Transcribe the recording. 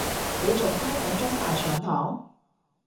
你仲返緊中大上堂？